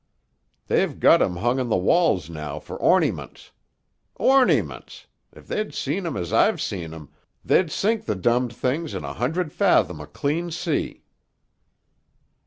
They've got 'em hung on the walls now for ornyments. Ornyments! If they'd seen 'em as I've seen 'em, they'd sink the dummed things in a hundred fathom o' clean sea."